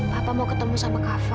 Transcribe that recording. papa mau ketemu sama kava